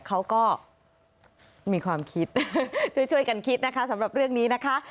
เขาก็มีความคิดช่วยกันคิดนะคะสำหรับเรื่องนี้นะคะ